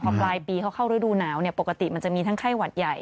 พอปลายปีเขาเข้าฤดูหนาวปกติมันจะมีทั้งไข้หวัดใหญ่